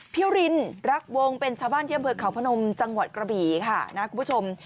รินรักวงเป็นชาวบ้านที่อำเภอเขาพนมจังหวัดกระบี่ค่ะนะคุณผู้ชม